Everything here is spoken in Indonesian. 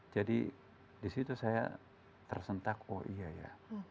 jadi di situ saya tersentak oh iya ya